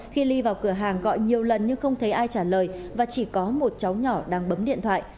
khi ly vào cửa hàng gọi nhiều lần nhưng không thấy ai trả lời và chỉ có một cháu nhỏ đang bấm điện thoại